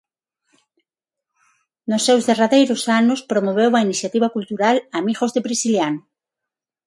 Nos seus derradeiros anos, promoveu a iniciativa cultural Amigos de Prisciliano.